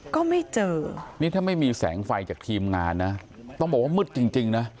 ก็ไม่เจอนี่ถ้าไม่มีแสงไฟจากทีมงานนะต้องบอกว่ามืดจริงนะ